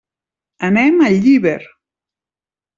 Anem a Llíber.